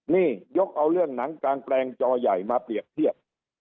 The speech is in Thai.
นี่ยกเอาเรื่องหนังกลางแปลงจอใหญ่มาเปรียบเทียบ